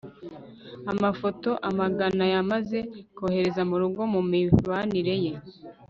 amafoto amagana yamaze kohereza murugo mumibanire ye